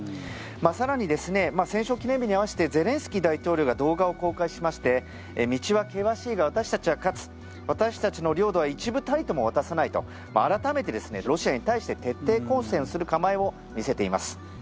更に、戦勝記念日に合わせてゼレンスキー大統領が動画を公開しまして道は険しいが、私たちは勝つ私たちの領土は一部たりとも渡さないと改めてロシアに対して徹底抗戦する構えを見せています。